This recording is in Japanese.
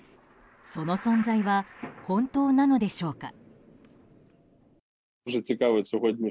その存在は本当なのでしょうか。